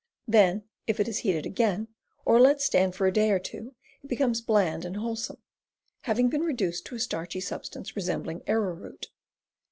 Then if it is heated again, or let stand for a day or two, it becomes bland and wholesome, having been reduced to a starchy substance resembling arrowroot.